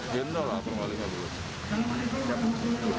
jendola perwali nggak buka